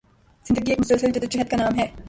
زندگی ایک مسلسل جدوجہد کا نام ہے